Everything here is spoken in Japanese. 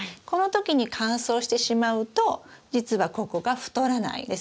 この時に乾燥してしまうと実はここが太らない。